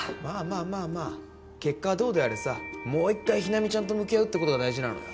まあまあ結果はどうであれさもう一回日菜美ちゃんと向き合うってことが大事なのよ。